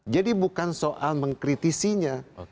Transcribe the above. jadi bukan soal mengkritisinya